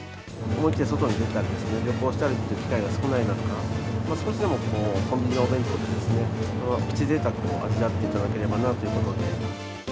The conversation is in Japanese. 思い切って外に出たりですとか、旅行したりという機会が少ない中、少しでもこう、コンビニのお弁当で、プチぜいたくを味わっていただければなということで。